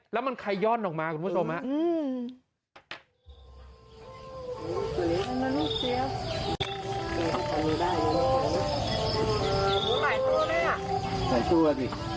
แล้วมันขย่อนออกมาคุณผู้ชมฮะ